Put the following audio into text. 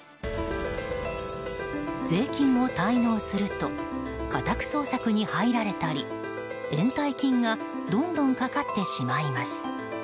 税金を滞納すると家宅捜索に入られたり延滞金がどんどんかかってしまいます。